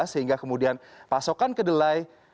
sehingga kemudian pasokan kedelai